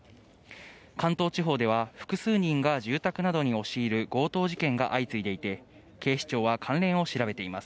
関東地方では複数人が住宅などに押し入る強盗事件が相次いでいて、警視庁は関連を調べています。